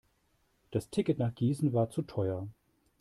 Das Ticket nach Gießen war zu teuer